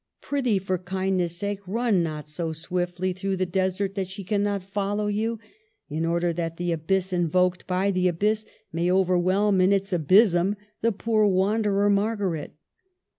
Prithee, for kindness' sake, run not so swiftly through the desert that she cannot follow you ... in order that the abyss invoked by the abyss may whelm in its abysm the poor wanderer Marga ret."